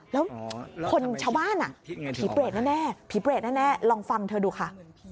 แล้วคนชาวบ้านผีเปรตแน่ผีเปรตแน่ลองฟังเธอดูค่ะ